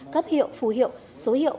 cấp hiệu phù hiệu số hiệu